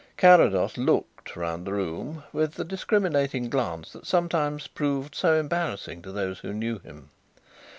Carrados "looked" round the room with the discriminating glance that sometimes proved so embarrassing to those who knew him.